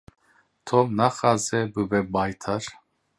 Tom naxwaze bibe baytar.